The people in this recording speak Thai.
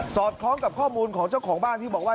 อดคล้องกับข้อมูลของเจ้าของบ้านที่บอกว่า